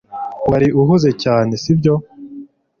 Wari uhuze cyane, si byo?